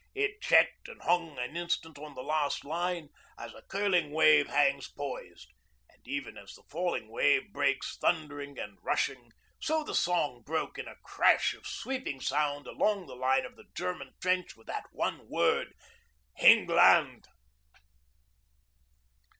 It checked and hung an instant on the last line, as a curling wave hangs poised; and even as the falling wave breaks thundering and rushing, so the song broke in a crash of sweeping sound along the line of the German trench on that one word 'England!'